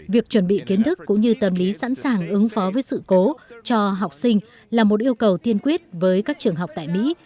việc chuẩn bị kiến thức cũng như tâm lý sẵn sàng ứng phó với sự cố cho học sinh là một yêu cầu tiên quyết với các trường học tại mỹ